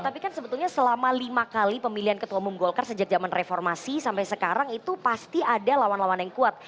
tapi kan sebetulnya selama lima kali pemilihan ketua umum golkar sejak zaman reformasi sampai sekarang itu pasti ada lawan lawan yang kuat